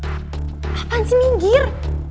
apaan sih minggir